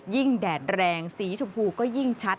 แดดแรงสีชมพูก็ยิ่งชัด